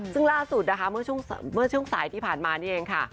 ซึ่งล่าสุดนะคะเมื่อช่วงสายที่ผ่านมานี่เองค่ะ